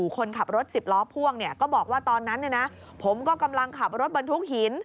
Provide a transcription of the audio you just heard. คนขับรถ๑๐ล้อพ่วงก็บอกว่าตอนนั้นผมก็กำลังขับรถบรรทุกหิน